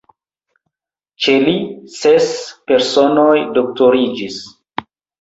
Ĉe li ses personoj doktoriĝis.